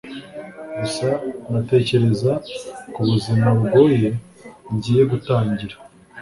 gusa natekereza ku buzima bugoye ngiye gutangira